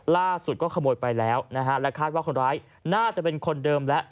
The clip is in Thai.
ล่าสุดก็ขโมยไปแล้วนะฮะและคาดว่าคนร้ายน่าจะเป็นคนเดิมแล้ว